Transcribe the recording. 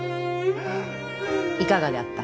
いかがであった？